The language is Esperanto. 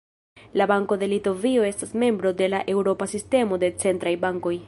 La Banko de Litovio estas membro de la Eŭropa Sistemo de Centraj Bankoj.